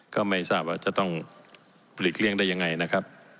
ก็ไม่ทราบว่าจะต้องหลีกเลี่ยงได้ยังไงนะครับ